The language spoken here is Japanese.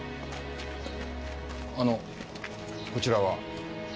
あのこちらは？